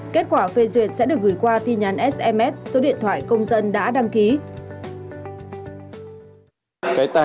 kết quả phê duyệt sẽ được gửi qua tin nhắn sms số điện thoại công dân đã đăng ký